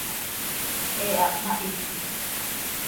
He ha hpmahiti.